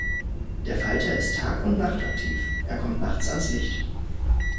Der Falter ist tag- und nachtaktiv, er kommt nachts ans Licht.